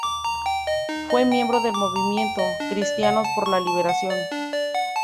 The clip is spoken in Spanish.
Fue miembro del movimiento "Cristianos por la Liberación".